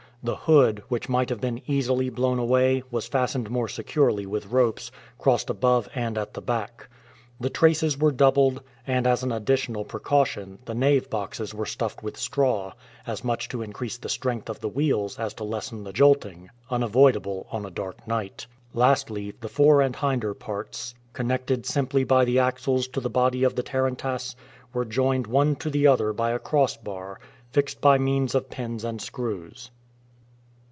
The hood, which might have been easily blown away, was fastened more securely with ropes, crossed above and at the back. The traces were doubled, and, as an additional precaution, the nave boxes were stuffed with straw, as much to increase the strength of the wheels as to lessen the jolting, unavoidable on a dark night. Lastly, the fore and hinder parts, connected simply by the axles to the body of the tarantass, were joined one to the other by a crossbar, fixed by means of pins and screws.